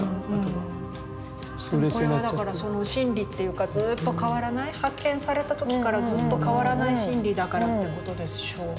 これはだからその真理っていうかずっと変わらない発見された時からずっと変わらない真理だからってことでしょうね。